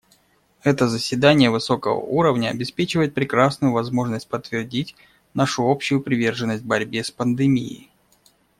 Это заседание высокого уровня обеспечивает прекрасную возможность подтвердить нашу общую приверженность борьбе с пандемией.